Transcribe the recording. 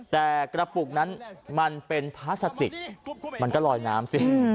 แต่กระปุกนั้นมันเป็นพลาสติกมันก็ลอยน้ำสิ